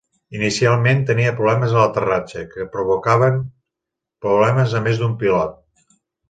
Inicialment, tenia problemes a l'aterratge, que provocaven problemes a més d'un pilot.